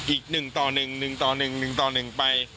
อีกหนึ่งต่อหนึ่งหนึ่งต่อหนึ่งหนึ่งต่อหนึ่งไป